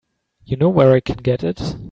You know where I can get it?